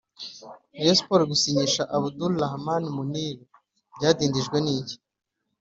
Rayon sport gusinyisha abdoul rahman muniru byadindijwe n’iki?